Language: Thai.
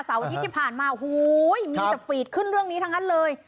สาวนี้ที่ผ่านมาโห้ยมีสฟีดขึ้นเรื่องนี้ทั้งนั้นเลย